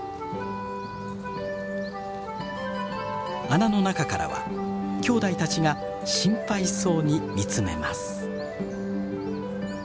穴の中からはきょうだいたちが心配そうに見つめます。